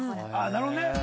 なるほどね！